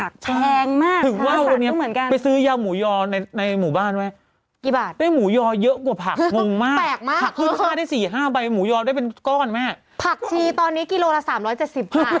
ได้สี่ห้าใบหมูยอดได้เป็นก้อนแม่ผักชีตอนนี้กิโลละสามร้อยเจสสิบค่ะ